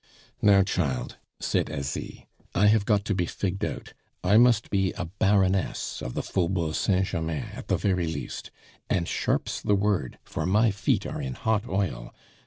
"Now, child," said Asie, "I have got to be figged out. I must be a Baroness of the Faubourg Saint Germain at the very least. And sharp's the word, for my feet are in hot oil.